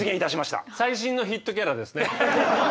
最新のヒットキャラですね。